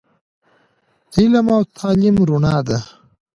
علم او تعليم رڼا ده